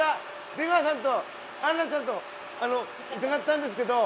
・出川さんとアンナちゃんとあの伺ったんですけど。